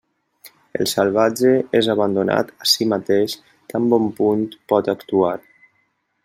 El salvatge és abandonat a si mateix tan bon punt pot actuar.